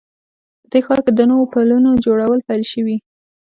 په دې ښار کې د نوو پلونو جوړول پیل شوي